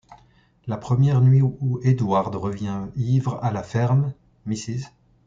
La première nuit où Edward revient ivre à la ferme, Mrs.